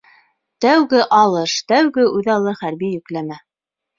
Тәүге алыш, тәүге үҙаллы хәрби йөкләмә.